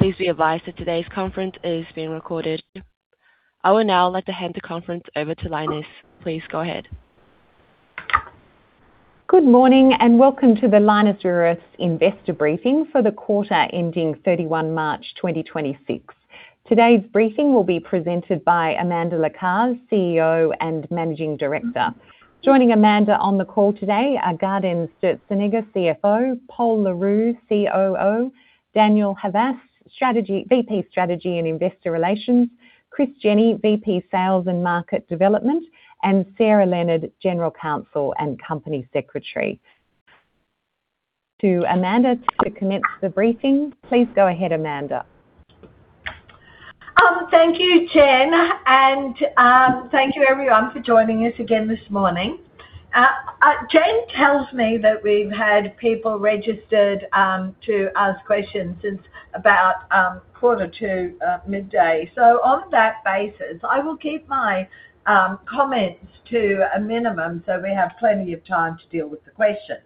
Please be advised that today's conference is being recorded. I would now like to hand the conference over to Lynas. Please go ahead. Good morning, and welcome to the Lynas Rare Earths investor briefing for the quarter ending 31 March 2026. Today's briefing will be presented by Amanda Lacaze, CEO and Managing Director. Joining Amanda on the call today are Gaudenz Sturzenegger, CFO, Pol Le Roux, COO, Daniel Havas, VP Strategy and Investor Relations, Chris Jenney, VP Sales and Market Development, and Sarah Leonard, General Counsel and Company Secretary. Over to Amanda to commence the briefing. Please go ahead, Amanda. Thank you, Jen. Thank you everyone for joining us again this morning. Jen tells me that we've had people registered to ask questions since about quarter to midday. On that basis, I will keep my comments to a minimum so we have plenty of time to deal with the questions.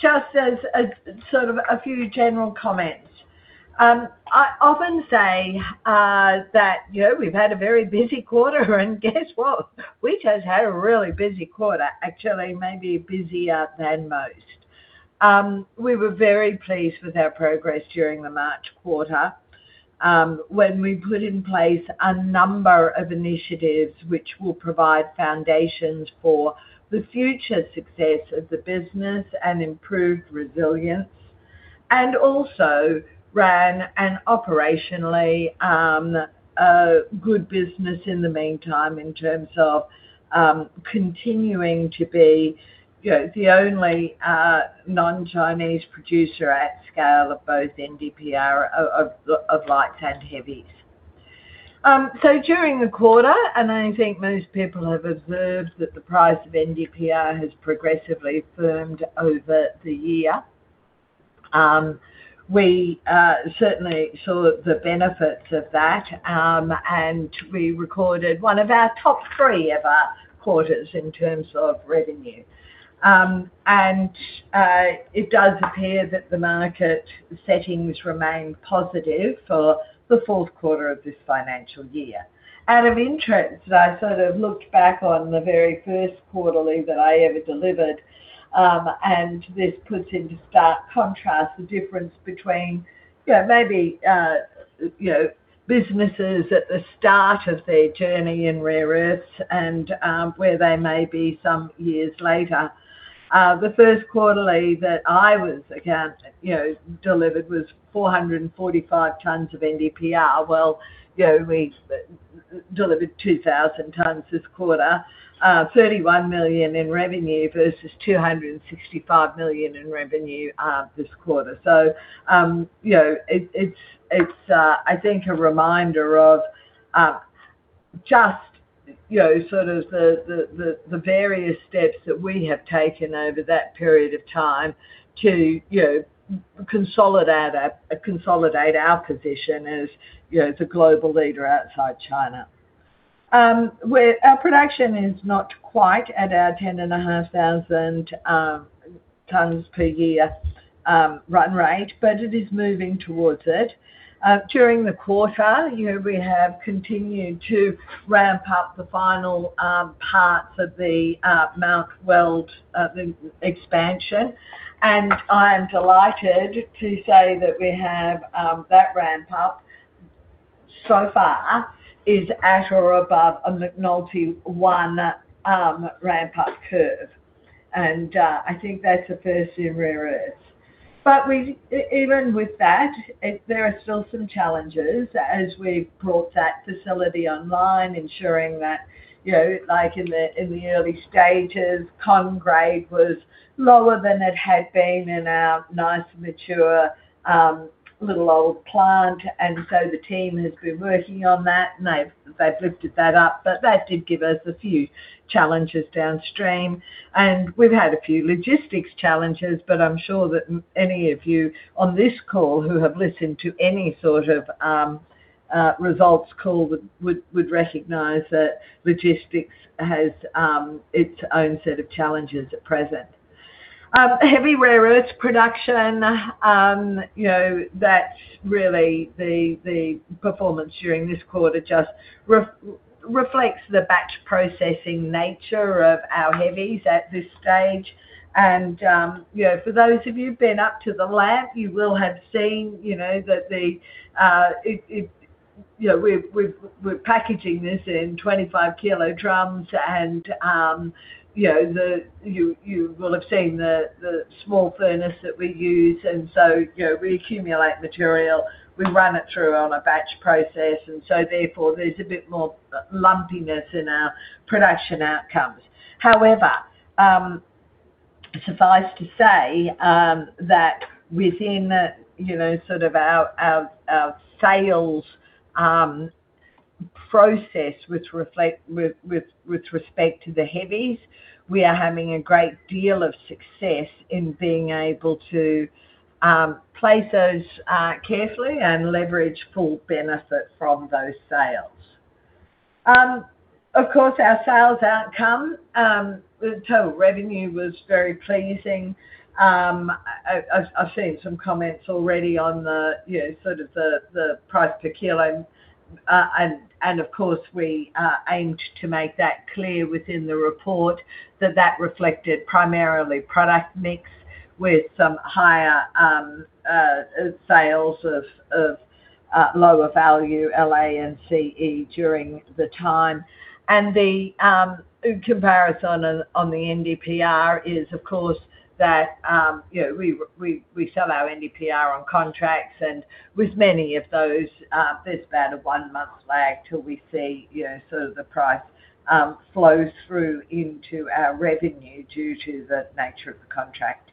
Just as a few general comments. I often say that we've had a very busy quarter, and guess what? We just had a really busy quarter, actually, maybe busier than most. We were very pleased with our progress during the March quarter. When we put in place a number of initiatives which will provide foundations for the future success of the business and improved resilience, and also ran an operationally good business in the meantime in terms of continuing to be the only non-Chinese producer at scale of both NdPr of lights and heavies. During the quarter, I think most people have observed that the price of NdPr has progressively firmed over the year. We certainly saw the benefits of that, and we recorded one of our top three ever quarters in terms of revenue. It does appear that the market settings remain positive for the fourth quarter of this financial year. Out of interest, I sort of looked back on the very first quarterly that I ever delivered, and this puts into stark contrast the difference between maybe businesses at the start of their journey in Rare Earths and where they may be some years later. The first quarterly that I delivered was 445 tonnes of NdPr. Well, we delivered 2,000 tonnes this quarter, 31 million in revenue versus 265 million in revenue this quarter. It's I think a reminder of just the various steps that we have taken over that period of time to consolidate our position as the global leader outside China. Our production is not quite at our 10,500 tonnes per year run rate, but it is moving towards it. During the quarter, we have continued to ramp up the final parts of the Mount Weld expansion, and I am delighted to say that we have that ramp up so far is at or above a McNulty 1 ramp-up curve. I think that's a first in Rare Earths. Even with that, there are still some challenges as we've brought that facility online, ensuring that, like in the early stages, con grade was lower than it had been in our nice, mature, little old plant. The team has been working on that, and they've lifted that up. That did give us a few challenges downstream. We've had a few logistics challenges, but I'm sure that any of you on this call who have listened to any sort of results call would recognize that logistics has its own set of challenges at present. Heavy Rare Earths production, that's really the performance during this quarter just reflects the batch processing nature of our heavies at this stage. For those of you who've been up to the lab, you will have seen that we're packaging this in 25 kg drums and you will have seen the small furnace that we use. We accumulate material, we run it through on a batch process, and so therefore there's a bit more lumpiness in our production outcomes. However, suffice to say that within our sales process with respect to the heavies, we are having a great deal of success in being able to place those carefully and leverage full benefit from those sales. Of course, our sales outcome, the total revenue was very pleasing. I've seen some comments already on the price per kilo, and of course, we aimed to make that clear within the report that reflected primarily product mix with some higher sales of lower value, La and Ce, during the time. The comparison on the NdPr is, of course, that we sell our NdPr on contracts, and with many of those, there's about a one-month lag till we see the price flows through into our revenue due to the nature of the contract.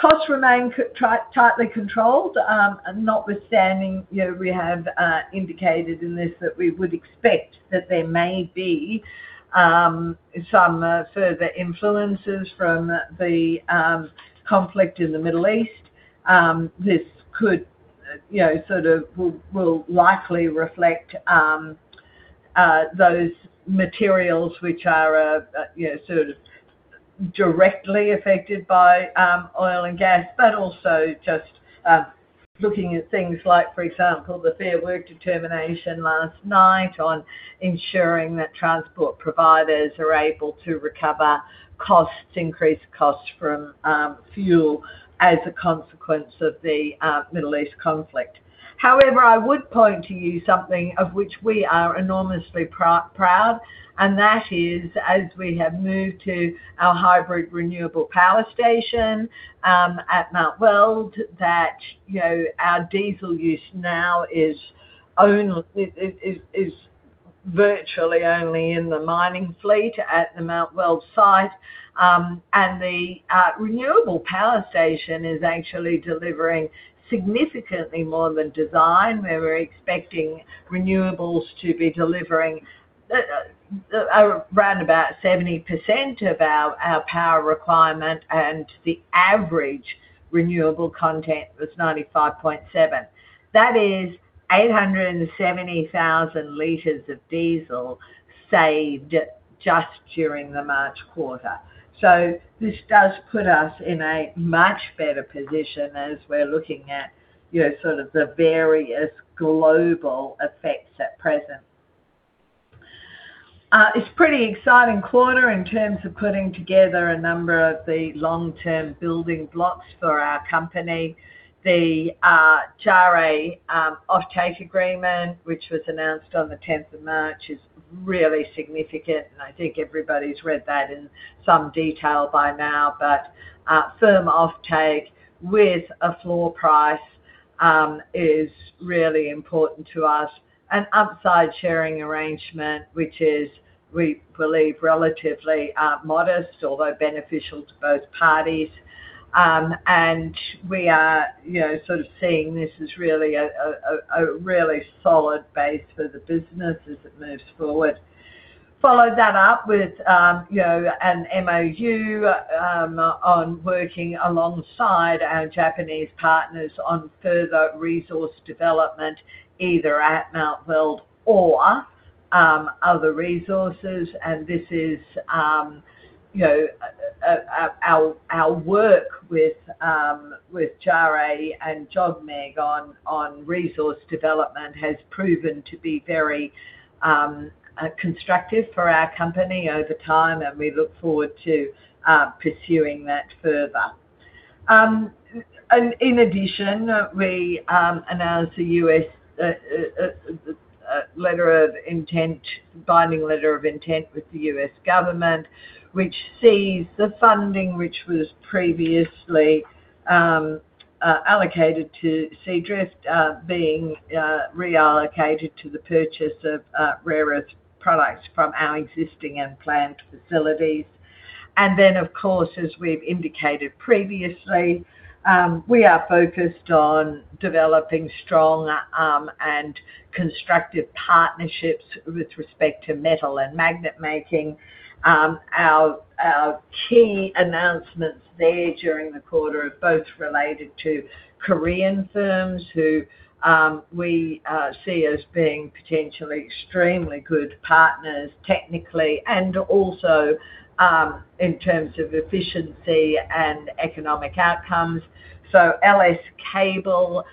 Costs remain tightly controlled, notwithstanding, we have indicated in this that we would expect that there may be some further influences from the conflict in the Middle East. This will likely reflect those materials which are directly affected by oil and gas, but also just looking at things like, for example, the Fair Work Determination last night on ensuring that transport providers are able to recover increased costs from fuel as a consequence of the Middle East conflict. However, I would point out to you something of which we are enorMoUsly proud, and that is as we have moved to our hybrid renewable power station at Mount Weld, that our diesel use now is virtually only in the mining fleet at the Mount Weld site. The renewable power station is actually delivering significantly more than designed. We were expecting renewables to be delivering around about 70% of our power requirement, and the average renewable content was 95.7%. That is 870,000 L of diesel saved just during the March quarter. This does put us in a much better position as we're looking at the various global effects at present. It's a pretty exciting quarter in terms of putting together a number of the long-term building blocks for our company. The JARE offtake agreement, which was announced on the 10th of March, is really significant, and I think everybody's read that in some detail by now. Firm offtake with a floor price is really important to us. An upside sharing arrangement, which is, we believe, relatively modest, although beneficial to both parties. We are seeing this as a really solid base for the business as it moves forward. Follow that up with an MoU on working alongside our Japanese partners on further resource development, either at Mount Weld or other resources. Our work with JARE and JOGMEC on resource development has proven to be very constructive for our company over time, and we look forward to pursuing that further. In addition, we announced a binding letter of intent with the U.S. government, which sees the funding which was previously allocated to Seadrift being reallocated to the purchase of Rare Earth products from our existing and planned facilities. Of course, as we've indicated previously, we are focused on developing strong and constructive partnerships with respect to metal and magnet making. Our key announcements there during the quarter are both related to Korean firms who we see as being potentially extremely good partners technically and also in terms of efficiency and economic outcomes. LS Cable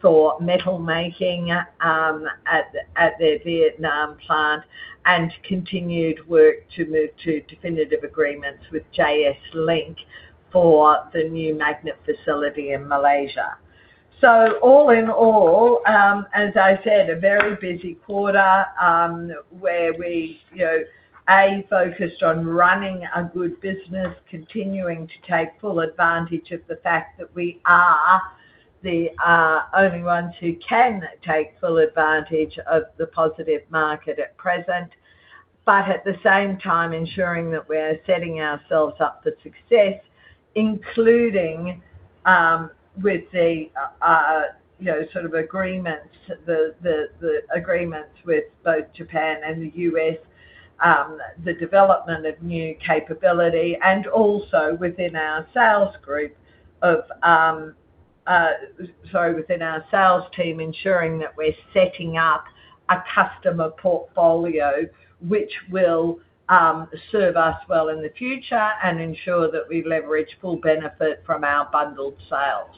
for metal making at their Vietnam plant and continued work to move to definitive agreements with JS Link for the new magnet facility in Malaysia. All in all, as I said, a very busy quarter, where we focused on running a good business, continuing to take full advantage of the fact that we are the only ones who can take full advantage of the positive market at present. But at the same time ensuring that we're setting ourselves up for success, including with the agreements with both Japan and the U.S. The development of new capability and also within our sales team, ensuring that we're setting up a customer portfolio which will serve us well in the future and ensure that we leverage full benefit from our bundled sales.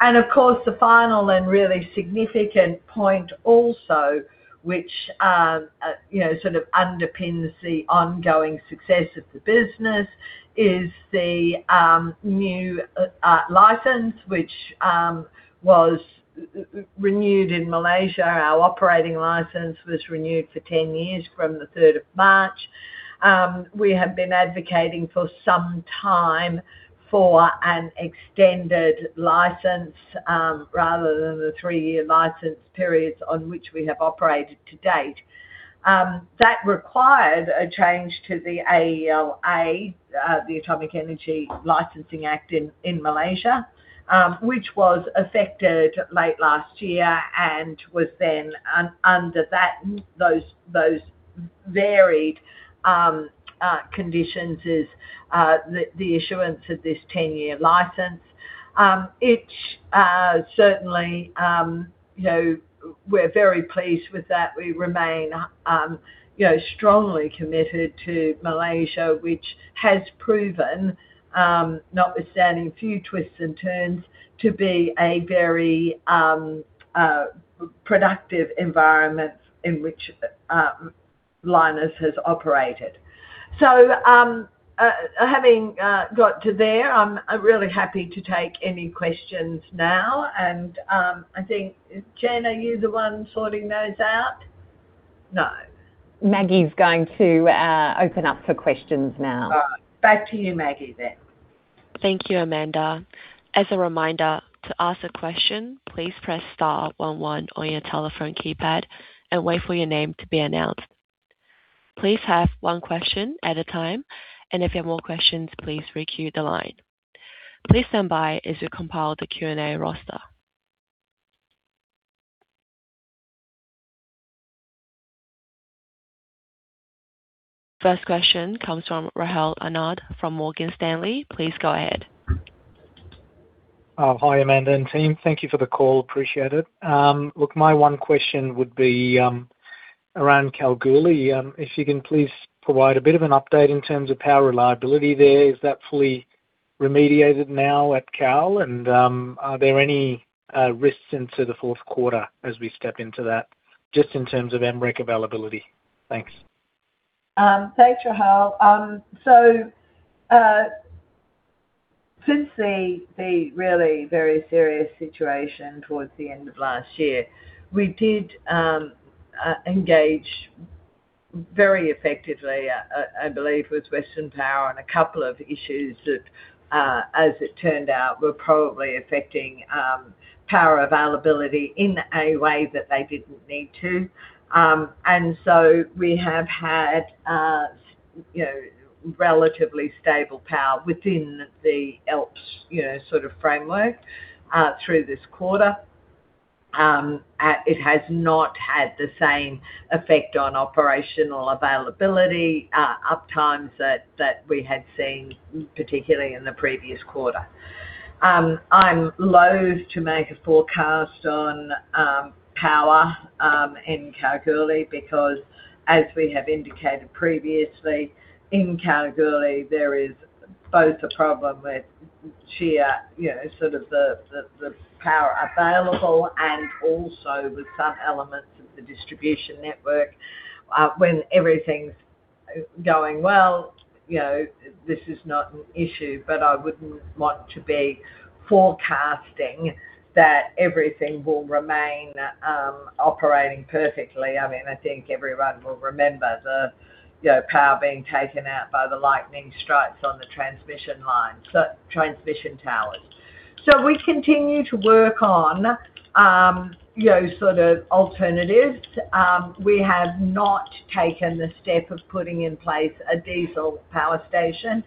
Of course, the final and really significant point also, which underpins the ongoing success of the business is the new license, which was renewed in Malaysia. Our operating license was renewed for 10 years from the 3rd of March. We have been advocating for some time for an extended license, rather than the three-year license periods on which we have operated to-date. That required a change to the AELA, the Atomic Energy Licensing Act in Malaysia, which was effected late last year and was then under those varied conditions is the issuance of this 10-year license. Certainly, we're very pleased with that. We remain strongly committed to Malaysia, which has proven, notwithstanding a few twists and turns, to be a very productive environment in which Lynas has operated. Having got to there, I'm really happy to take any questions now, and Jen, are you the one sorting those out? No. Maggie's going to open up for questions now. Back to you, Maggie, then. Thank you, Amanda. As a reminder, to ask a question, please press star one one on your telephone keypad and wait for your name to be announced. Please have one question at a time, and if you have more questions, please re-queue the line. Please stand by as we compile the Q&A roster. First question comes from Rahul Anand from Morgan Stanley. Please go ahead. Hi, Amanda and team. Thank you for the call. Appreciate it. Look, my one question would be around Kalgoorlie. If you can please provide a bit of an update in terms of power reliability there? Is that fully remediated now at Kal? And are there any risks into the fourth quarter as we step into that, just in terms of MREC availability? Thanks. Thanks, Rahul. Since the really very serious situation towards the end of last year, we did engage very effectively, I believe it was Western Power, on a couple of issues that, as it turned out, were probably affecting power availability in a way that they didn't need to. We have had relatively stable power within the ELPS sort of framework through this quarter. It has not had the same effect on operational availability uptimes that we had seen, particularly in the previous quarter. I'm loathe to make a forecast on power in Kalgoorlie because as we have indicated previously, in Kalgoorlie, there is both a problem with sheer, sort of the power available and also with some elements of the distribution network. When everything's going well, this is not an issue, I wouldn't want to be forecasting that everything will remain operating perfectly. I think everyone will remember the power being taken out by the lightning strikes on the transmission towers. We continue to work on alternatives. We have not taken the step of putting in place a diesel power station,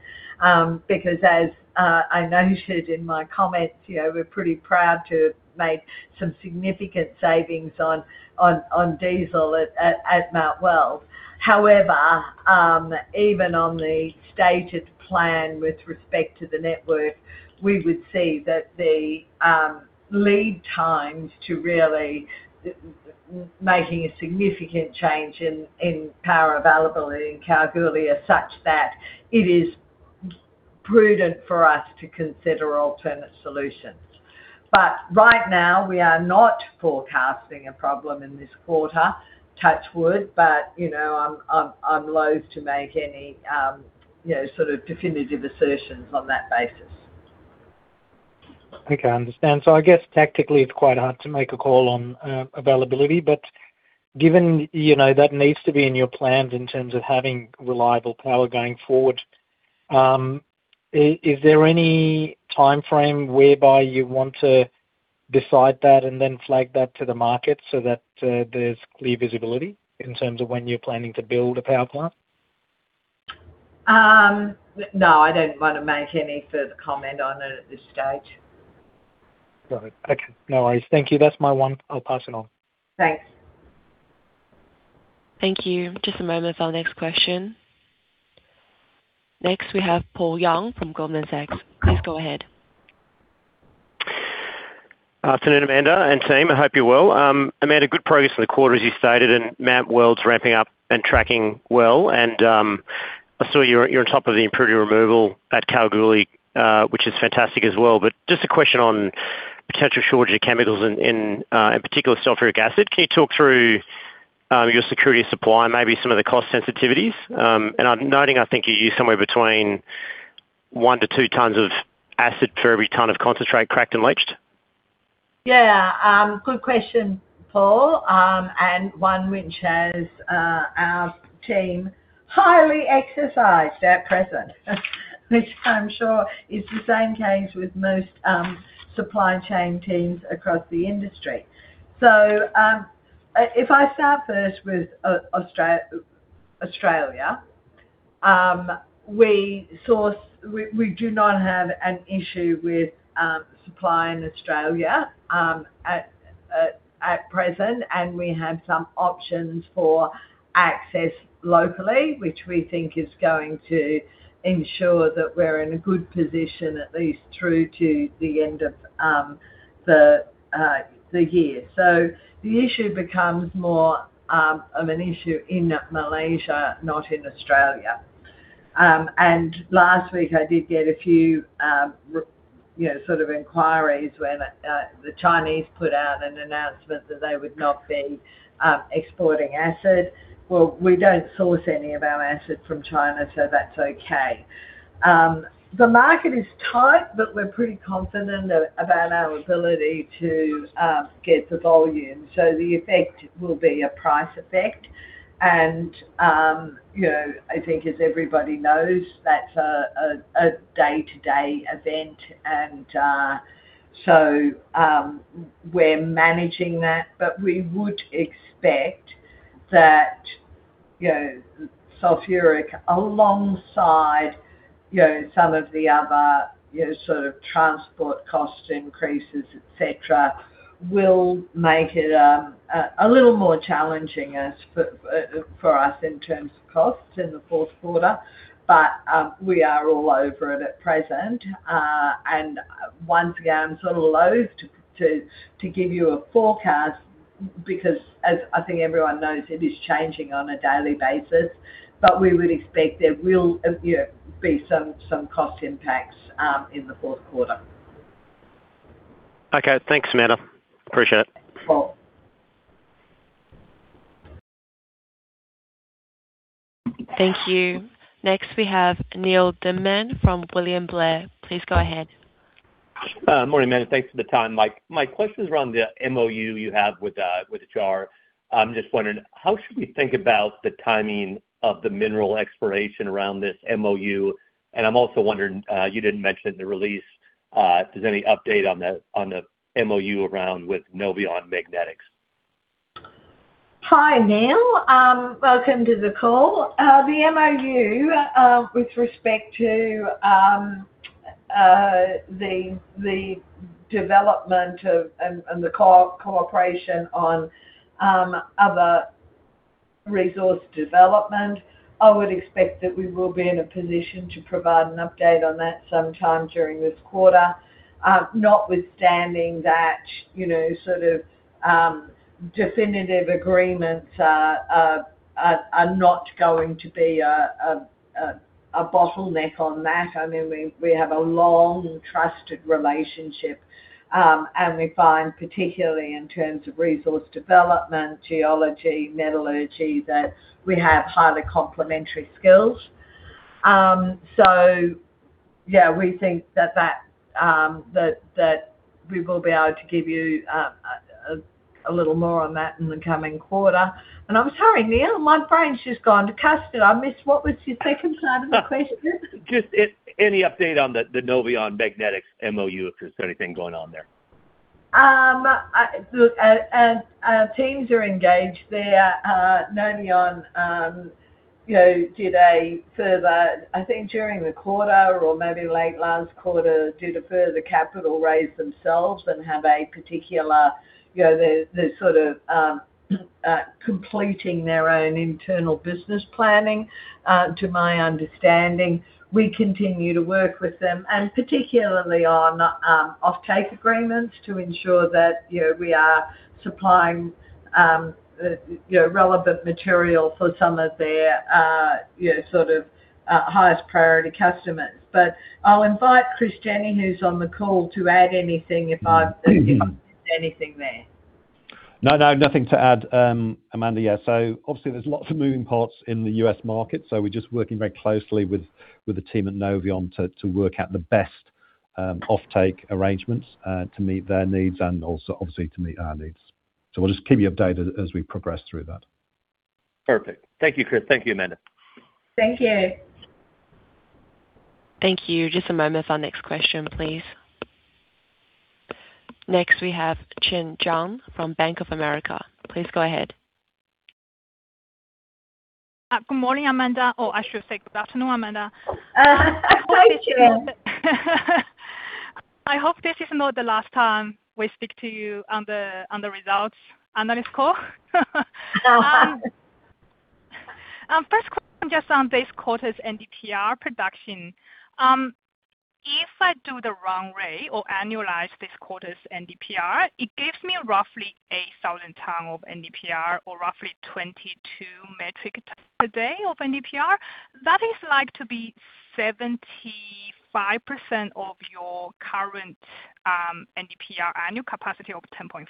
because as I noted in my comments, we're pretty proud to have made some significant savings on diesel at Mount Weld. However, even on the stated plan with respect to the network, we would see that the lead times to really making a significant change in power availability in Kalgoorlie are such that it is prudent for us to consider alternate solutions. Right now, we are not forecasting a problem in this quarter, touch wood, but I'm loathe to make any definitive assertions on that basis. Okay, I understand. I guess tactically it's quite hard to make a call on availability, but given that needs to be in your plans in terms of having reliable power going forward, is there any timeframe whereby you want to decide that and then flag that to the market so that there's clear visibility in terms of when you're planning to build a power plant? No, I don't want to make any further comment on it at this stage. Got it. Okay. No worries. Thank you. That's my one. I'll pass it on. Thanks. Thank you. Just a moment for our next question. Next we have Paul Young from Goldman Sachs. Please go ahead. Afternoon, Amanda and team. I hope you're well. Amanda, good progress for the quarter, as you stated, and Mount Weld ramping up and tracking well. I saw you're on top of the impurity removal at Kalgoorlie, which is fantastic as well. Just a question on potential shortage of chemicals in particular sulfuric acid. Can you talk through your security of supply and maybe some of the cost sensitivities? I'm noting, I think you use somewhere between one to two tons of acid for every ton of concentrate, correct, in leaching? Yeah. Good question, Paul. One which has our team highly exercised at present. Which I'm sure is the same case with most supply chain teams across the industry. If I start first with Australia. We do not have an issue with supply in Australia at present. We have some options for access locally, which we think is going to ensure that we're in a good position, at least through to the end of the year. The issue becomes more of an issue in Malaysia, not in Australia. Last week I did get a few inquiries when the Chinese put out an announcement that they would not be exporting acid. Well, we don't source any of our acid from China, so that's okay. The market is tight, but we're pretty confident about our ability to get the volume. The effect will be a price effect. I think as everybody knows, that's a day-to-day event and so, we're managing that. We would expect that sulfuric, alongside some of the other sort of transport cost increases, et cetera, will make it a little more challenging for us in terms of costs in the fourth quarter. We are all over it at present. Once again, I'm sort of loath to give you a forecast because as I think everyone knows, it is changing on a daily basis. We would expect there will be some cost impacts in the fourth quarter. Okay. Thanks, Amanda. Appreciate it. Thanks, Paul. Thank you. Next we have Neal Dingmann from William Blair. Please go ahead. Morning, Amanda. Thanks for the time. My question is around the MoU you have with JARE. I'm just wondering how should we think about the timing of the mineral exploration around this MoU? I'm also wondering, you didn't mention the release. Is there any update on the MoU around with Noveon Magnetics? Hi, Neal. Welcome to the call. The MoU, with respect to the development of and the cooperation on other resource development, I would expect that we will be in a position to provide an update on that sometime during this quarter. Notwithstanding that, sort of, definitive agreements are not going to be a bottleneck on that. We have a long trusted relationship. We find, particularly in terms of resource development, geology, metallurgy, that we have highly complementary skills. Yeah, we think that we will be able to give you a little more on that in the coming quarter. I'm sorry, Neal, my brain's just gone to custard. I missed, what was your second side of the question? Just any update on the Noveon Magnetics MoU, if there's anything going on there? Look, our teams are engaged there. Noveon did a further, I think during the quarter or maybe late last quarter, did a further capital raise themselves and have a particular. They're sort of completing their own internal business planning. To my understanding, we continue to work with them and particularly on offtake agreements to ensure that we are supplying relevant material for some of their highest priority customers. I'll invite Chris Jenney, who's on the call, to add anything if I've missed anything there. No, nothing to add, Amanda. Yeah. Obviously there's lots of moving parts in the U.S. market, so we're just working very closely with the team at Noveon to work out the best offtake arrangements, to meet their needs and also obviously to meet our needs. We'll just keep you updated as we progress through that. Perfect. Thank you, Chris. Thank you, Amanda. Thank you. Thank you. Just a moment for our next question, please. Next we have Chen Jiang from Bank of America. Please go ahead. Good morning, Amanda. Or I should say good afternoon, Amanda. Good afternoon. I hope this is not the last time we speak to you on the results, analyst call. First question just on this quarter's NdPr production. If I do the run rate or annualize this quarter's NdPr, it gives me roughly 8,000 tons of NdPr or roughly 22 metric tons a day of NdPr. That is like to be 75% of your current NdPr annual capacity of 10.5.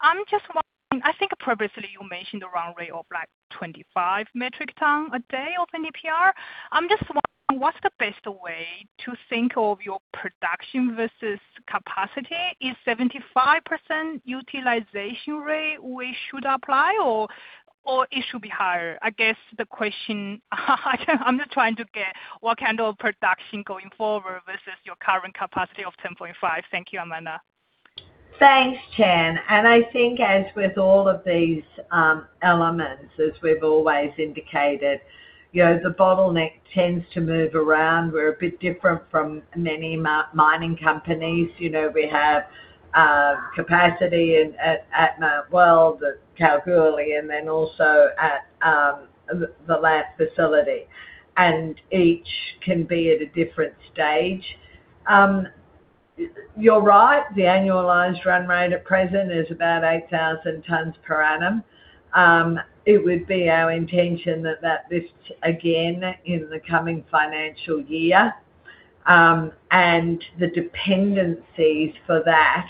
I'm just wondering, I think previously you mentioned a run rate of 25 metric tons a day of NdPr. I'm just wondering, what's the best way to think of your production versus capacity? Is 75% utilization rate we should apply or it should be higher? I guess the question I'm just trying to get what kind of production going forward versus your current capacity of 10.5. Thank you, Amanda. Thanks, Chen. I think as with all of these elements, as we've always indicated, the bottleneck tends to move around. We're a bit different from many mining companies. We have capacity at Mount Weld, at Kalgoorlie, and then also at the LAMP facility, and each can be at a different stage. You're right, the annualized run rate at present is about 8,000 tons per annum. It would be our intention that that lifts again in the coming financial year. The dependencies for that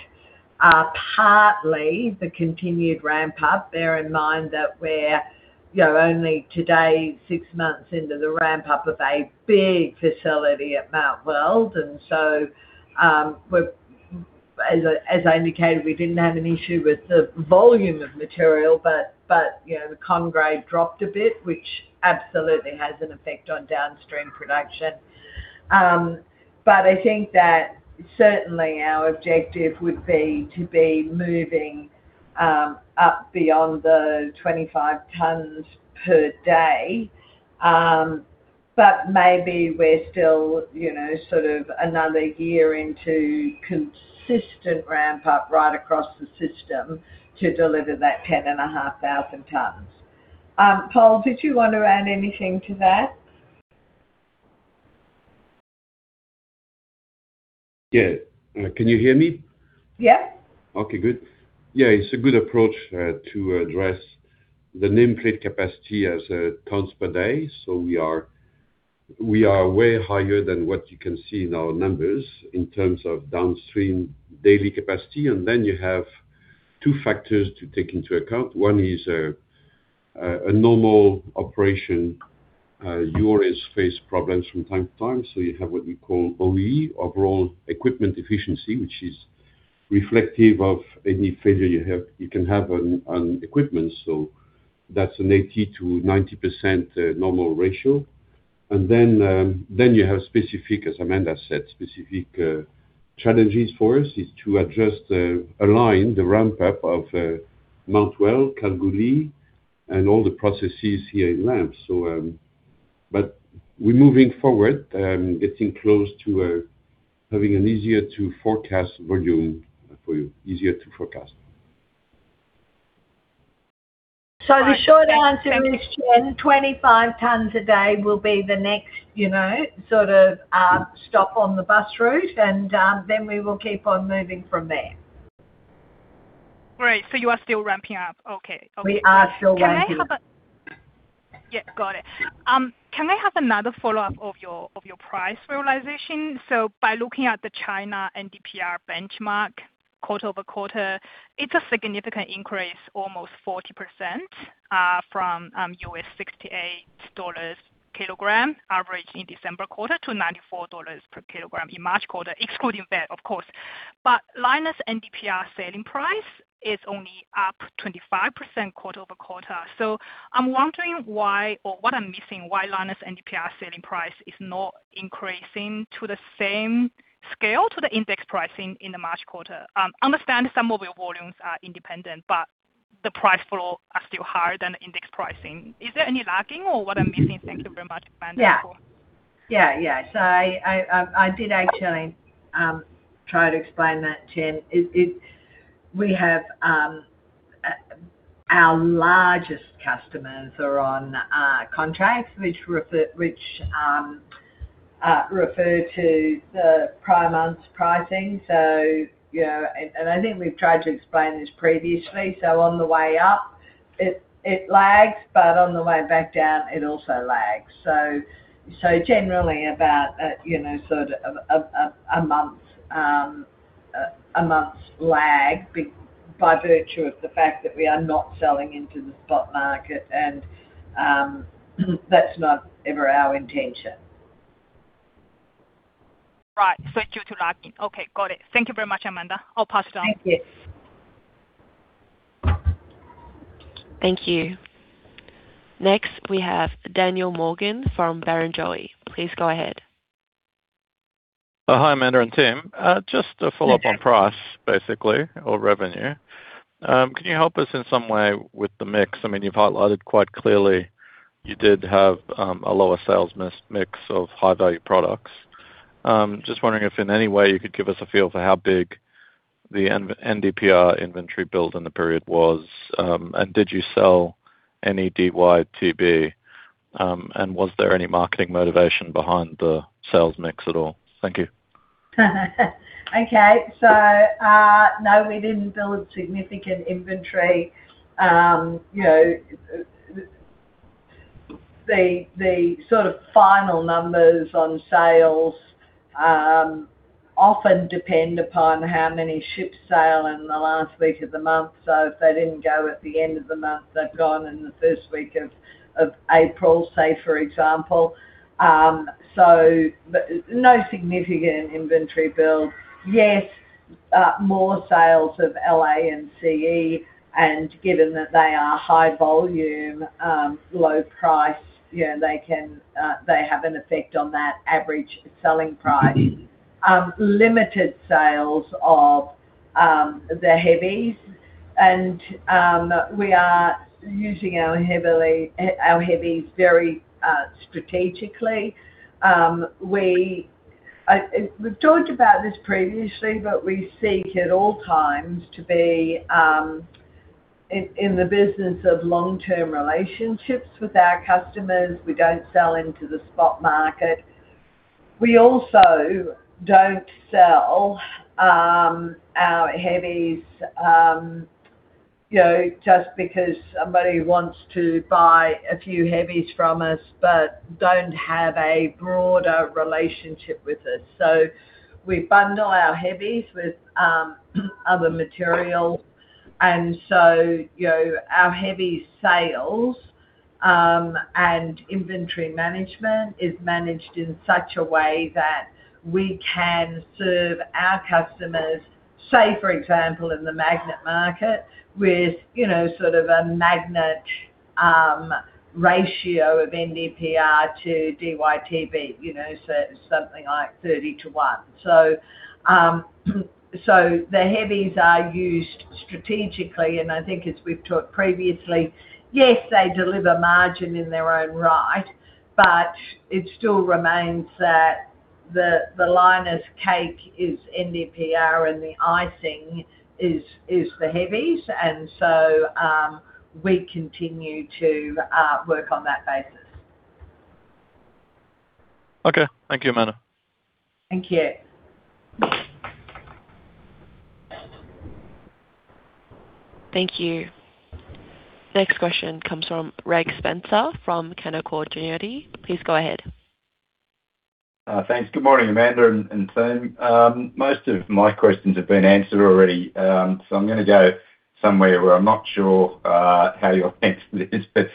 are partly the continued ramp up. Bear in mind that we're only today, six months into the ramp up of a big facility at Mount Weld. As I indicated, we didn't have an issue with the volume of material, but the concentrate grade dropped a bit, which absolutely has an effect on downstream production. I think that certainly our objective would be to be moving up beyond the 25 tons per day. Maybe we're still sort of another year into consistent ramp up right across the system to deliver that 10,500 tons. Pol, did you want to add anything to that? Yeah. Can you hear me? Yeah. Okay, good. Yeah, it's a good approach to address the nameplate capacity as tons per day. We are way higher than what you can see in our numbers in terms of downstream daily capacity. Then you have two factors to take into account. One is a normal operation. You always face problems from time-to-time. You have what we call OEE, overall equipment efficiency, which is reflective of any failure you can have on equipment. That's an 80%-90% normal ratio. Then you have specific, as Amanda said, specific challenges for us is to adjust, align the ramp-up of Mount Weld, Kalgoorlie, and all the processes here in LAMP. We're moving forward, getting close to having an easier to forecast volume for you, easier to forecast. The short answer is, Chen, 25 tons a day will be the next stop on the bus route, and then we will keep on moving from there. Great. You are still ramping up. Okay. We are still ramping up. Yeah, got it. Can I have another follow-up of your price realization? By looking at the China NdPr benchmark quarter-over-quarter, it's a significant increase, almost 40%, from AUD 68/kg average in December quarter to 94 dollars/kg in March quarter, excluding VAT, of course. Lynas NdPr selling price is only up 25% quarter-over-quarter. I'm wondering why or what I'm missing, why Lynas NdPr selling price is not increasing to the same scale to the index pricing in the March quarter. I understand some of your volumes are independent, but the price flow are still higher than index pricing. Is there any lagging or what I'm missing? Thank you very much, Amanda. Yeah. I did actually try to explain that, Chen. Our largest customers are on contracts which refer to the prior month's pricing. I think we've tried to explain this previously. On the way up it lags, but on the way back down it also lags. Generally about a month's lag by virtue of the fact that we are not selling into the spot market. That's not ever our intention. Right. Due to lagging. Okay, got it. Thank you very much, Amanda. I'll pass it on. Thank you. Thank you. Next, we have Daniel Morgan from Barrenjoey. Please go ahead. Hi, Amanda and team. Just a follow-up. On price, basically, or revenue. Can you help us in some way with the mix? You've highlighted quite clearly you did have a lower sales mix of high-value products. Just wondering if in any way you could give us a feel for how big the NdPr inventory build in the period was. Did you sell any DyTb? Was there any marketing motivation behind the sales mix at all? Thank you. Okay. No, we didn't build significant inventory. The sort of final numbers on sales often depend upon how many ships sail in the last week of the month. If they didn't go at the end of the month, they've gone in the first week of April, say, for example. No significant inventory build. Yes, more sales of La and Ce, and given that they are high volume, low price, they have an effect on that average selling price. Limited sales of the heavies. We are using our heavies very strategically. We've talked about this previously, but we seek at all times to be in the business of long-term relationships with our customers. We don't sell into the spot market. We also don't sell our heavies just because somebody wants to buy a few heavies from us but don't have a broader relationship with us. We bundle our heavies with other material. Our heavy sales and inventory management is managed in such a way that we can serve our customers, say, for example, in the magnet market with a magnet ratio of NdPr to DyTb, something like 30:1. The heavies are used strategically, and I think as we've talked previously, yes, they deliver margin in their own right, but it still remains that the light cake is NdPr and the icing is the heavies. We continue to work on that basis. Okay. Thank you, Amanda. Thank you. Thank you. Next question comes from Reg Spencer from Canaccord Genuity. Please go ahead. Thanks. Good morning, Amanda and team. Most of my questions have been answered already. I'm gonna go somewhere where I'm not sure how you'll answer this, but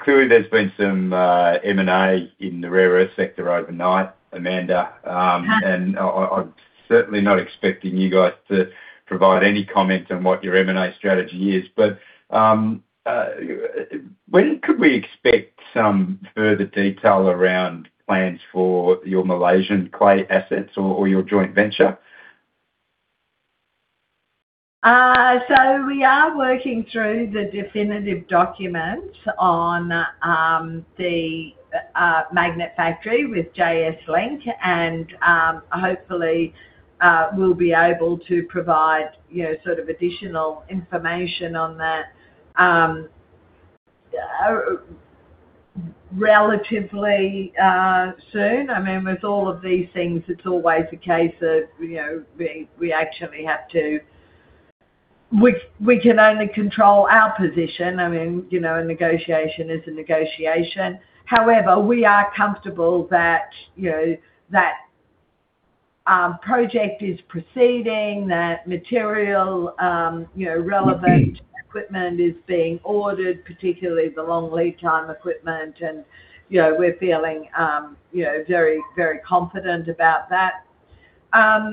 clearly there's been some M&A in the Rare Earth sector overnight, Amanda. Mm-hmm. I'm certainly not expecting you guys to provide any comment on what your M&A strategy is. When could we expect some further detail around plans for your Malaysian clay assets or your joint venture? We are working through the definitive document on the magnet factory with JS Link. Hopefully, we'll be able to provide additional information on that relatively soon. With all of these things, it's always a case of we actually have to, we can only control our position. A negotiation is a negotiation. However, we are comfortable that that project is proceeding, that material, relevant equipment is being ordered, particularly the long lead time equipment. We're feeling very confident about that.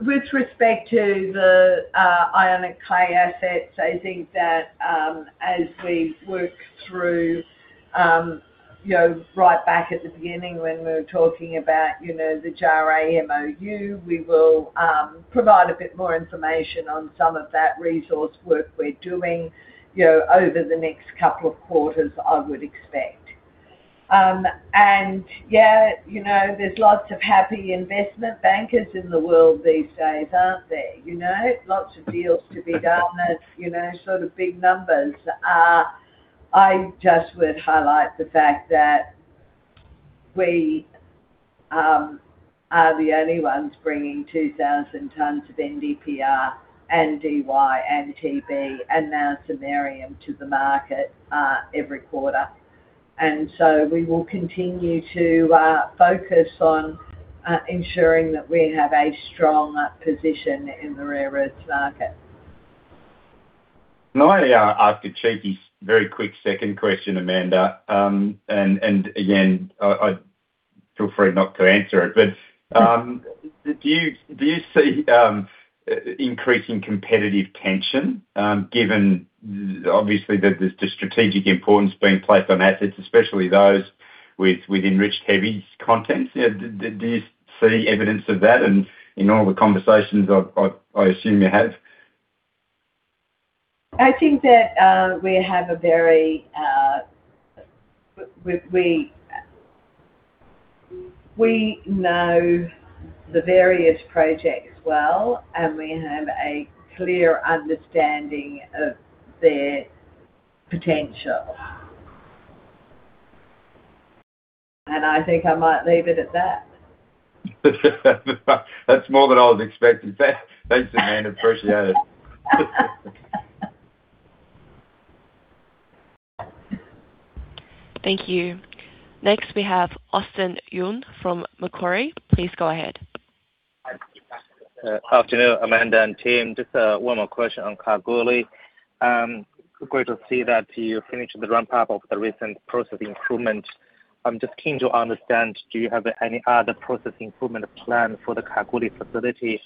With respect to the ionic clay assets, I think that as we work through, right back at the beginning when we were talking about the JARE MoU, we will provide a bit more information on some of that resource work we're doing over the next couple of quarters, I would expect. Yeah, there's lots of happy investment bankers in the world these days, aren't there? Lots of deals to be done that sort of big numbers are. I just would highlight the fact that we are the only ones bringing 2,000 tonnes of NdPr and Dy and Tb, and now samarium to the market every quarter. We will continue to focus on ensuring that we have a strong position in the rare earth market. May I ask a cheeky, very quick second question, Amanda? Feel free not to answer it. Do you see increasing competitive tension, given obviously the strategic importance being placed on assets, especially those with enriched heavy contents? Do you see evidence of that in all the conversations I assume you have? I think that we know the various projects well, and we have a clear understanding of their potential. I think I might leave it at that. That's more than I was expecting. Thanks, Amanda. Appreciate it. Thank you. Next, we have Austin Yun from Macquarie. Please go ahead. Afternoon, Amanda and team. Just one more question on Kalgoorlie. Great to see that you finished the ramp-up of the recent process improvement. I'm just keen to understand, do you have any other process improvement plan for the Kalgoorlie facility,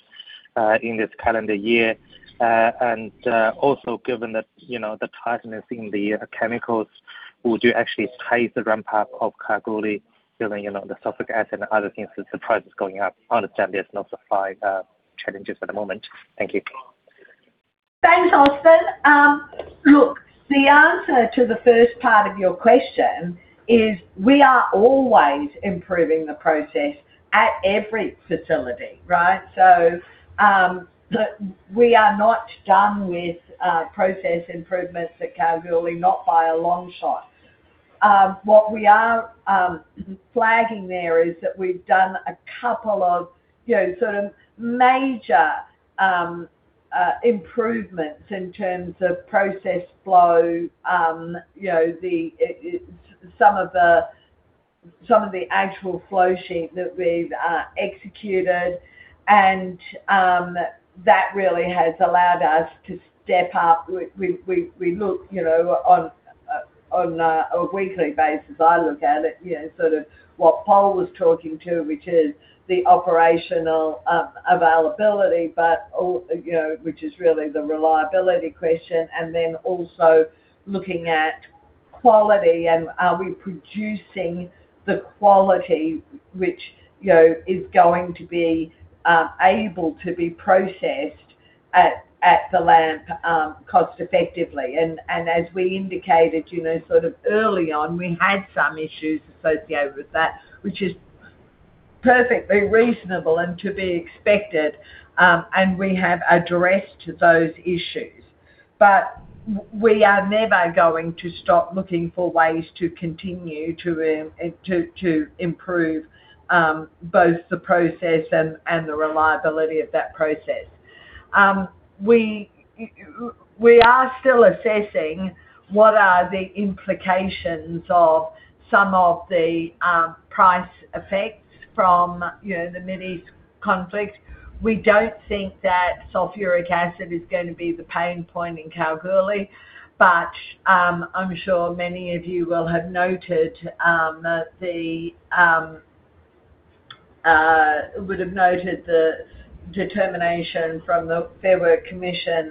in this calendar year? And also given that the tightness in the chemicals, would you actually raise the ramp-up of Kalgoorlie given the sulfuric acid and other things that the price is going up? I understand there's no supply challenges at the moment. Thank you. Thanks, Austin. Look, the answer to the first part of your question is we are always improving the process at every facility, right? We are not done with process improvements at Kalgoorlie, not by a long shot. What we are flagging there is that we've done a couple of sort of major improvements in terms of process flow. Some of the actual flow sheet that we've executed and that really has allowed us to step up. We look on a weekly basis. I look at it, sort of what Pol was talking to, which is the operational availability, which is really the reliability question. Then also looking at quality and are we producing the quality which is going to be able to be processed at the LAMP, cost effectively. As we indicated, sort of early on, we had some issues associated with that, which is perfectly reasonable and to be expected, and we have addressed those issues. We are never going to stop looking for ways to continue to improve both the process and the reliability of that process. We are still assessing what are the implications of some of the price effects from the Mideast conflict. We don't think that sulfuric acid is going to be the pain point in Kalgoorlie. I'm sure many of you would have noted the determination from the Fair Work Commission,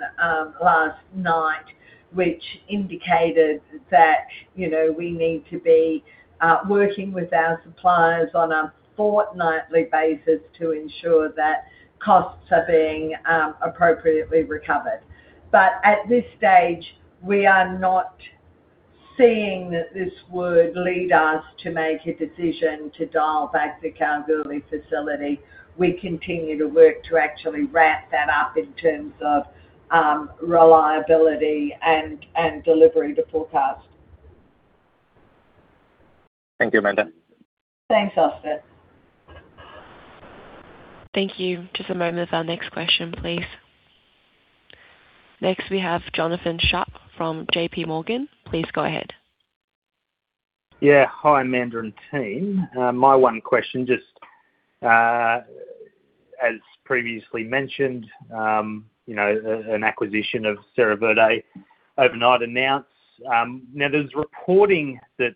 last night, which indicated that we need to be working with our suppliers on a fortnightly basis to ensure that costs are being appropriately recovered. At this stage, we are not seeing that this would lead us to make a decision to dial back the Kalgoorlie facility. We continue to work to actually ramp that up in terms of reliability and delivery to forecast. Thank you, Amanda. Thanks, Austin. Thank you. Just a moment for our next question, please. Next, we have Jonathan Sharp from JPMorgan. Please go ahead. Yeah. Hi, Amanda and team. My one question, just, as previously mentioned, an acquisition of Sierra Rutile announced overnight. Now there's reporting that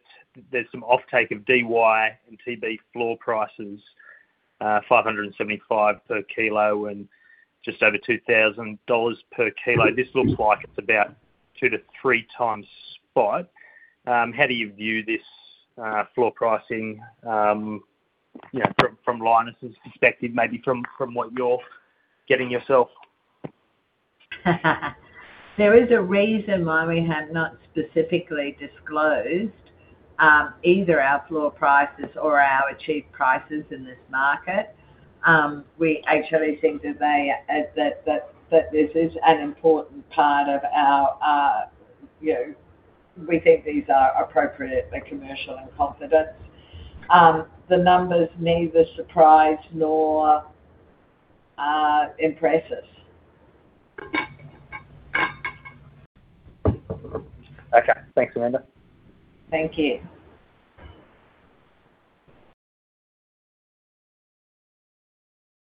there's some offtake of Dy and Tb floor prices, $575 per kilo and just over $2,000 per kilo. This looks like it's about 2x-3x spot. How do you view this floor pricing, from Lynas's perspective, maybe from what you're getting yourself? There is a reason why we have not specifically disclosed either our floor prices or our achieved prices in this market. We actually think that this is an important part. We think these are appropriate, they're commercial in confidence. The numbers neither surprise nor impress us. Okay. Thanks, Amanda. Thank you.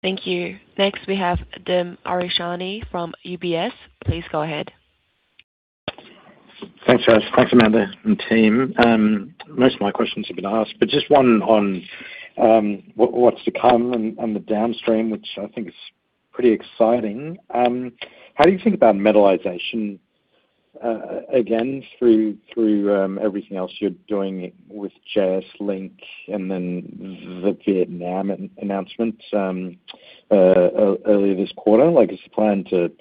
Thank you. Next, we have Dim Ariyasinghe from UBS. Please go ahead. Thanks, Amanda and team. Most of my questions have been asked, but just one on what's to come on the downstream, which I think is pretty exciting. How do you think about metallization again through everything else you're doing with JS Link and then the Vietnam announcement earlier this quarter? Is the plan to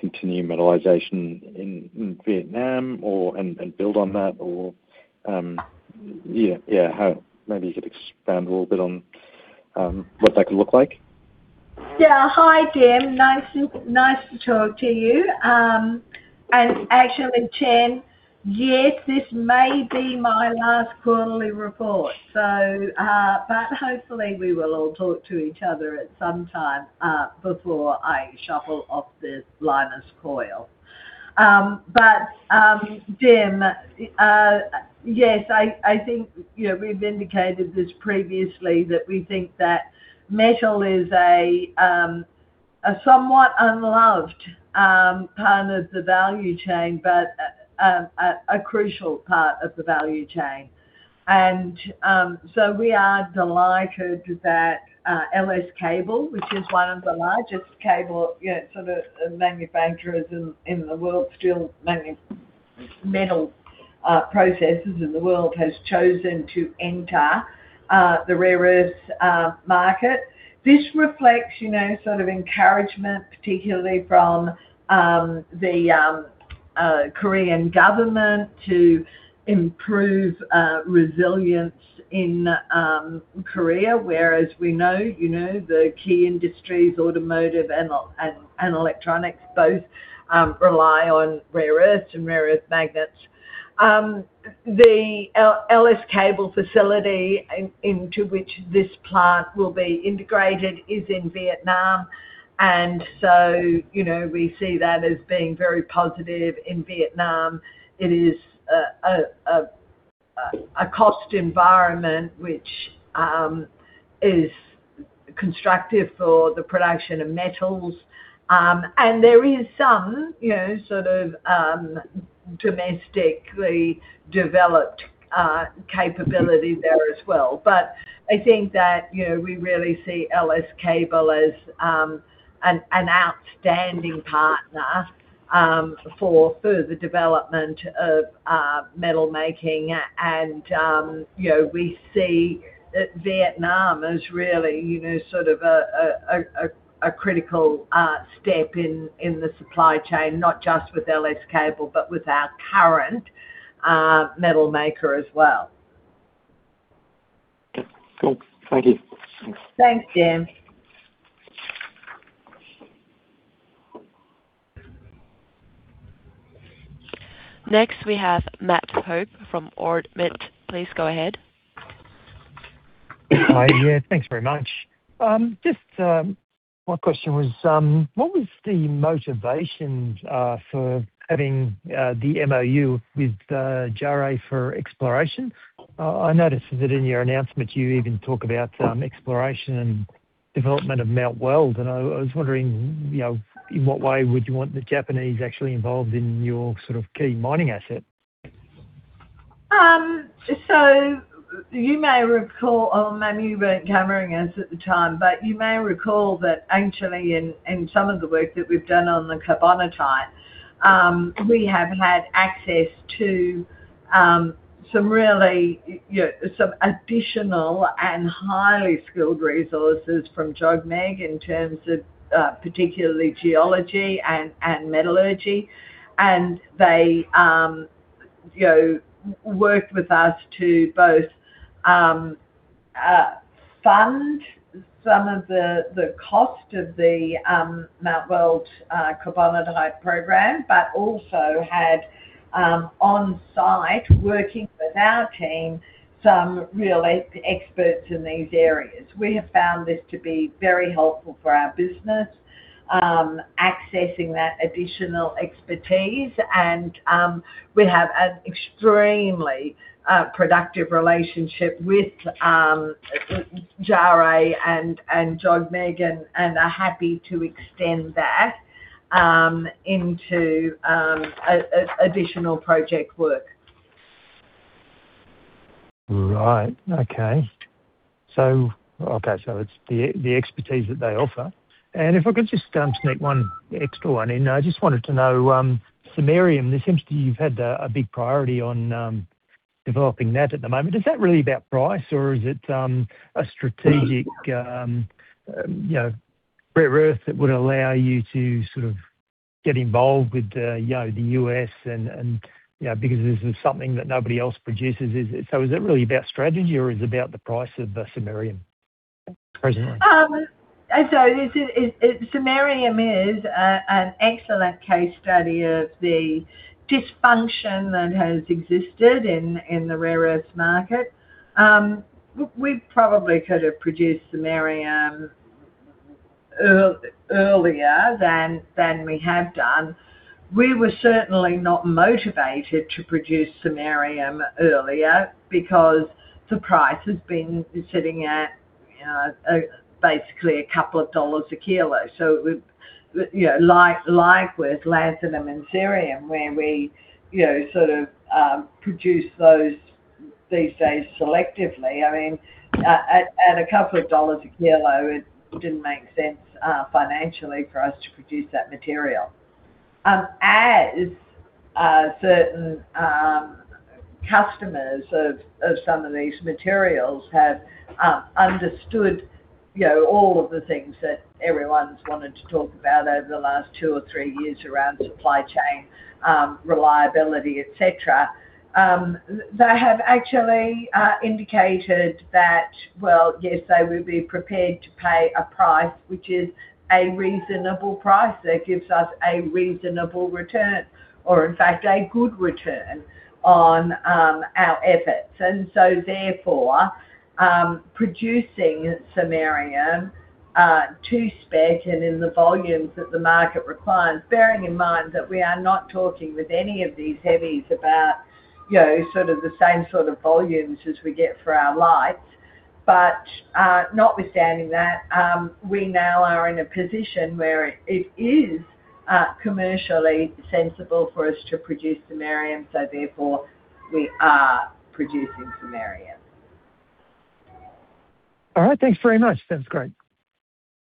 continue metallization in Vietnam and build on that? Maybe you could expand a little bit on what that could look like. Yeah. Hi, Dim. Nice to talk to you. Actually, Chen, yes, this may be my last quarterly report. Hopefully, we will all talk to each other at some time before I shuffle off this mortal coil. Dim, yes, I think we've indicated this previously, that we think that metal is a somewhat unloved part of the value chain, but a crucial part of the value chain. We are delighted that LS Cable, which is one of the largest cable manufacturers in the world, still manufacturing metal products in the world, has chosen to enter the Rare Earths market. This reflects encouragement, particularly from the Korean government to improve resilience in Korea, whereas we know the key industries, automotive and electronics both rely on Rare Earths and rare earth magnets. The LS Cable facility into which this plant will be integrated is in Vietnam. We see that as being very positive in Vietnam. It is a cost environment which is constructive for the production of metals. There is some domestically developed capability there as well. I think that we really see LS Cable as an outstanding partner for further development of metal making. We see Vietnam as really a critical step in the supply chain, not just with LS Cable, but with our current metal maker as well. Okay. Cool. Thank you. Thanks, Dim. Next, we have Matt Hope from Ord Minnett. Please go ahead. Hi. Yeah. Thanks very much. Just my question was, what was the motivation for having the MoU with JARE for exploration? I noticed that in your announcement you even talk about exploration and development of Mount Weld. I was wondering in what way would you want the Japanese actually involved in your key mining asset? You may recall, or maybe you weren't covering us at the time, but you may recall that actually in some of the work that we've done on the carbonatite, we have had access to some additional and highly skilled resources from JOGMEC in terms of particularly geology and metallurgy. They worked with us to both fund some of the cost of the Mount Weld carbonatite program, but also had on-site working with our team, some real experts in these areas. We have found this to be very helpful for our business, accessing that additional expertise. We have an extremely productive relationship with JARE and JOGMEC and are happy to extend that into additional project work. It's the expertise that they offer. If I could just sneak one extra one in. I just wanted to know, samarium, it seems that you've had a big priority on developing that at the moment. Is that really about price or is it a strategic rare earth that would allow you to sort of get involved with the U.S. and because this is something that nobody else produces. Is it really about strategy or is it about the price of the samarium presently? Samarium is an excellent case study of the dysfunction that has existed in the Rare Earths market. We probably could have produced samarium earlier than we have done. We were certainly not motivated to produce samarium earlier because the price has been sitting at basically a couple of dollars a kilo. Likewise lanthanum and cerium, where we sort of produce those these days selectively. At a couple of dollars a kilo, it didn't make sense financially for us to produce that material. As certain customers of some of these materials have understood all of the things that everyone's wanted to talk about over the last two or three years around supply chain reliability, et cetera, they have actually indicated that, well, yes, they would be prepared to pay a price, which is a reasonable price, that gives us a reasonable return or in fact, a good return on our efforts. Producing samarium to spec and in the volumes that the market requires, bearing in mind that we are not talking with any of these heavies about the same sort of volumes as we get for our lights. Notwithstanding that, we now are in a position where it is commercially sensible for us to produce samarium, so therefore we are producing samarium. All right. Thanks very much. Sounds great.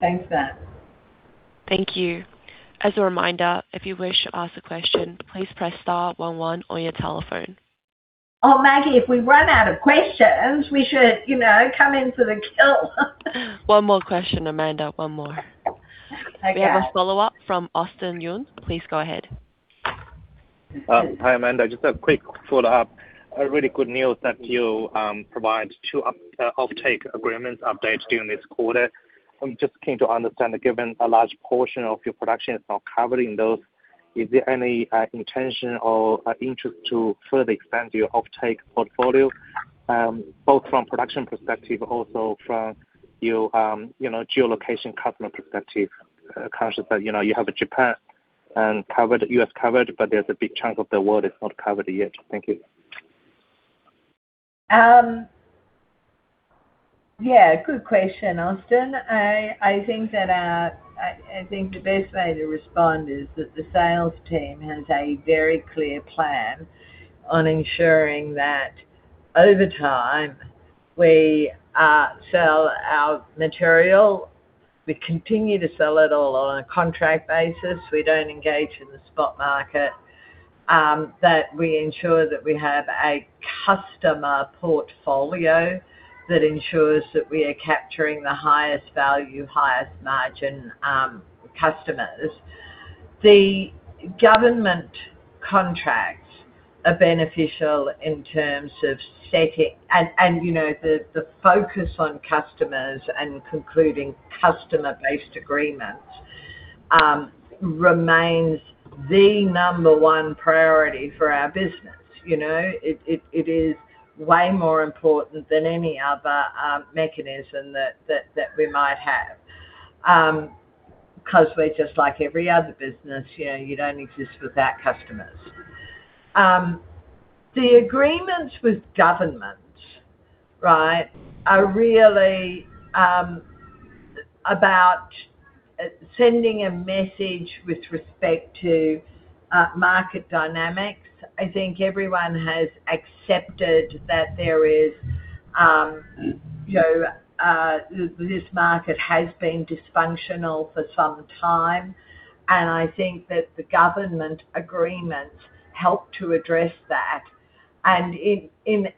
Thanks, Matt. Thank you. As a reminder, if you wish to ask a question, please press star one one on your telephone. Oh, Maggie, if we run out of questions, we should come into the kill. One more question, Amanda. One more. Okay. We have a follow-up from Austin Yun. Please go ahead. Hi, Amanda. Just a quick follow-up. A really good news that you provide two offtake agreements updates during this quarter. I'm just keen to understand that given a large portion of your production is now covered in those, is there any intention or interest to further expand your offtake portfolio, both from production perspective, also from your geolocation customer perspective? Conscious that you have Japan and U.S. covered, but there's a big chunk of the world that's not covered yet. Thank you. Yeah. Good question, Austin. I think the best way to respond is that the sales team has a very clear plan on ensuring that over time we sell our material. We continue to sell it all on a contract basis. We don't engage in the spot market, that we ensure that we have a customer portfolio that ensures that we are capturing the highest value, highest-margin customers. The government contracts are beneficial in terms of setting. The focus on customers and concluding customer-based agreements remains the number one priority for our business. It is way more important than any other mechanism that we might have. Because we're just like every other business, you don't exist without customers. The agreements with governments are really about sending a message with respect to market dynamics. I think everyone has accepted that this market has been dysfunctional for some time, and I think that the government agreements help to address that. In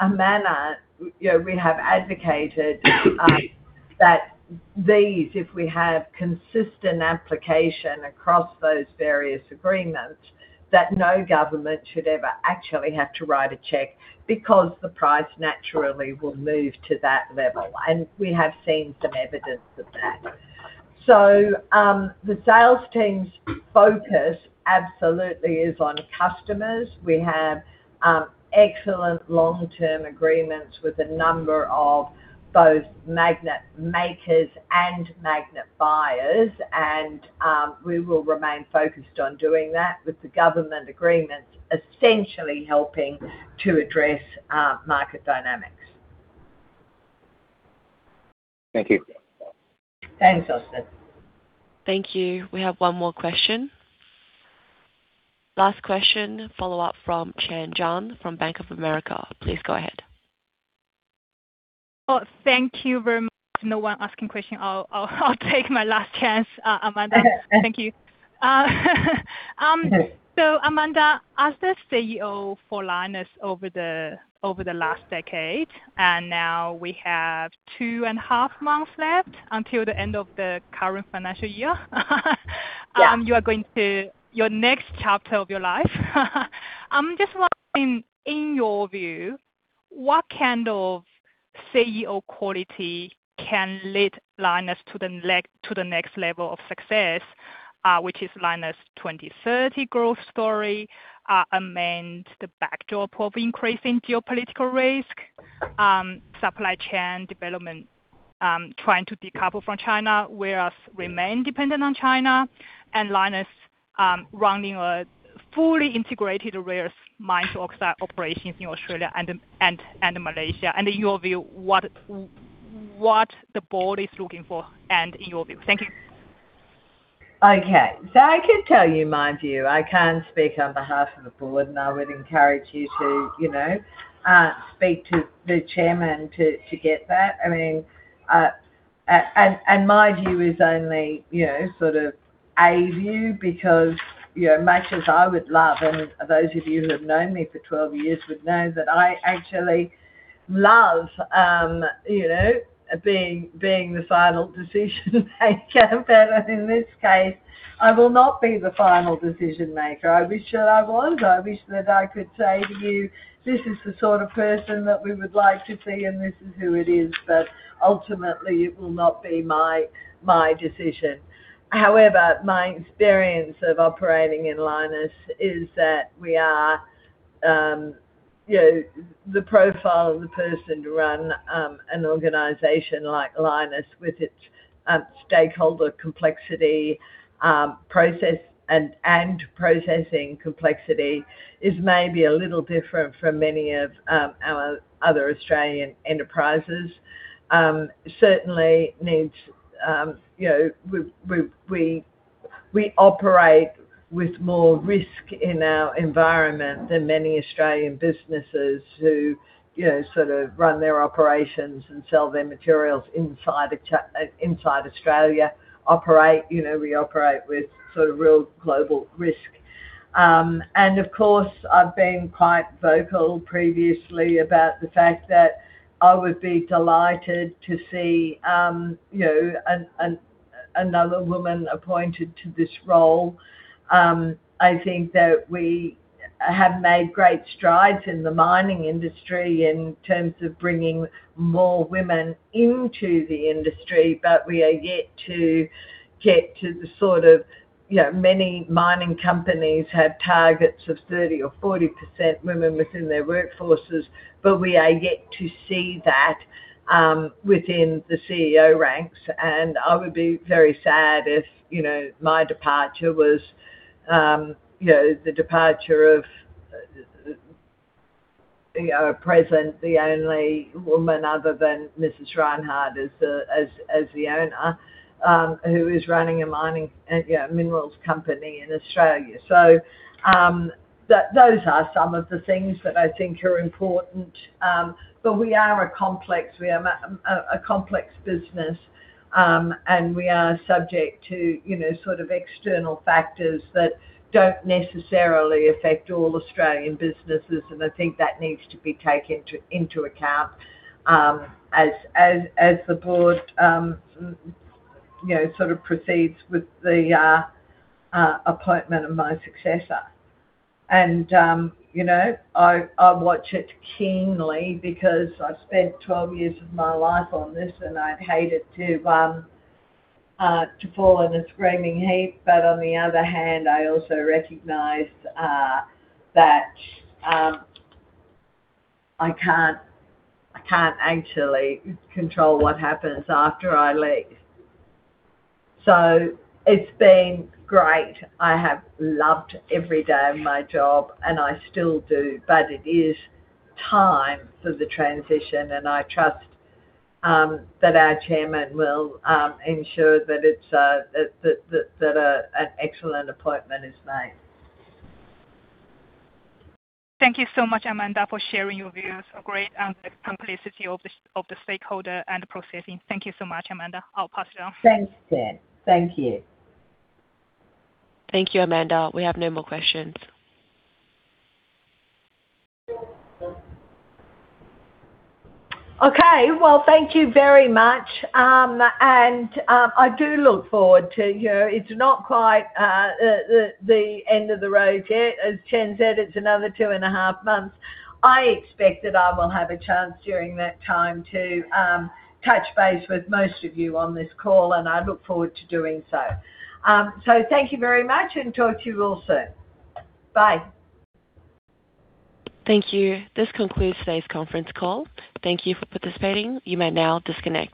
a manner, we have advocated that these, if we have consistent application across those various agreements, that no government should ever actually have to write a check because the price naturally will move to that level. We have seen some evidence of that. The sales team's focus absolutely is on customers. We have excellent long-term agreements with a number of both magnet makers and magnet buyers, and we will remain focused on doing that with the government agreements, essentially helping to address market dynamics. Thank you. Thanks, Austin. Thank you. We have one more question. Last question, follow-up from Chen Jiang from Bank of America. Please go ahead. Oh, thank you very much. No one asking question, I'll take my last chance, Amanda. Thank you. Amanda, as the CEO for Lynas over the last decade, and now we have two and a half months left until the end of the current financial year. Yeah. You are going to your next chapter of your life. I'm just wondering, in your view, what kind of CEO quality can lead Lynas to the next level of success, which is Lynas 2030 growth story amid the backdrop of increasing geopolitical risk, supply chain development, trying to decouple from China, whereas remain dependent on China, and Lynas running a fully integrated rare earth mine to oxide operations in Australia and Malaysia. In your view, what the board is looking for and in your view. Thank you. Okay. I can tell you my view. I can't speak on behalf of the board, and I would encourage you to speak to the chairman to get that. My view is only a view because much as I would love, and those of you who have known me for 12 years would know that I actually love being the final decision maker. In this case, I will not be the final decision-maker. I wish that I was. I wish that I could say to you, "This is the sort of person that we would like to see, and this is who it is." Ultimately, it will not be my decision. However, my experience of operating in Lynas is that the profile of the person to run an organization like Lynas with its stakeholder complexity, and processing complexity is maybe a little different from many of our other Australian enterprises. Certainly, we operate with more risk in our environment than many Australian businesses who run their operations and sell their materials inside Australia. We operate with real global risk. Of course, I've been quite vocal previously about the fact that I would be delighted to see another woman appointed to this role. I think that we have made great strides in the mining industry in terms of bringing more women into the industry, but we are yet to get to many mining companies have targets of 30% or 40% women within their workforces, but we are yet to see that within the CEO ranks. I would be very sad if my departure was the departure of at present, the only woman other than Mrs. Gina Rinehart, as the owner, who is running a mining minerals company in Australia. Those are some of the things that I think are important. We are a complex business, and we are subject to external factors that don't necessarily affect all Australian businesses. I think that needs to be taken into account as the board proceeds with the appointment of my successor. I watch it keenly because I've spent 12 years of my life on this, and I'd hate it to fall in a screaming heap. On the other hand, I also recognize that I can't actually control what happens after I leave. It's been great. I have loved every day of my job, and I still do, but it is time for the transition, and I trust that our chairman will ensure that an excellent appointment is made. Thank you so much, Amanda, for sharing your views. A great compliment to the stakeholders and processing. Thank you so much, Amanda. I'll pass it on. Thanks, Chen. Thank you. Thank you, Amanda. We have no more questions. Okay. Well, thank you very much. I do look forward to hear. It's not quite the end of the road yet, as Chen said, it's another two and a half months. I expect that I will have a chance during that time to touch base with most of you on this call, and I look forward to doing so. Thank you very much, and talk to you all soon. Bye. Thank you. This concludes today's conference call. Thank you for participating. You may now disconnect.